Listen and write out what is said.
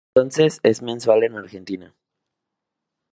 Desde entonces, es mensual en Argentina.